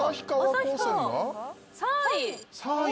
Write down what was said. ３位！